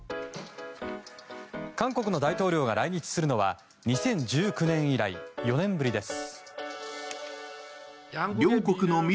韓国の大統領が来日するのは２０１９年以来４年ぶりです。